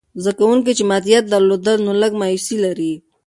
زده کوونکي چې مادیات درلودل، نو لږ مایوسې لري.